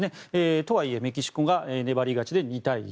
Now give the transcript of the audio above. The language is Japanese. とはいえメキシコが粘り勝ちで２対１。